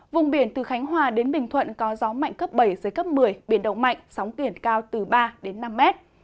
vùng biển từ khánh hòa đến bình thuận có gió mạnh cấp bảy một mươi biển động mạnh sóng biển cao từ ba năm m